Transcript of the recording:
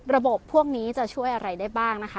พวกนี้จะช่วยอะไรได้บ้างนะคะ